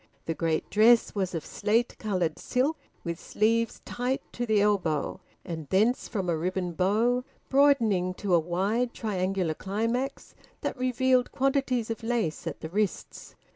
The great dress was of slate coloured silk, with sleeves tight to the elbow, and thence, from a ribbon bow, broadening to a wide, triangular climax that revealed quantities of lace at the wrists.